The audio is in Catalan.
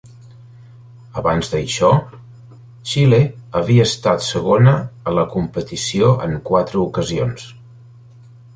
Abans d'això, Xile havia estat segona a la competició en quatre ocasions.